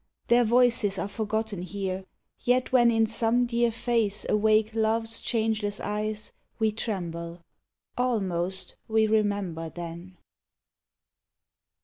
Their voices are forgotten here; yet when In some dear face awake Love's changeless eyes, We tremble almost we remember then.